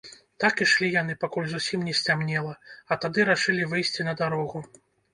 Так ішлі яны, пакуль зусім не сцямнела, а тады рашылі выйсці на дарогу.